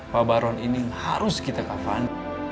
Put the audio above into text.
pak baron ini harus kita kafan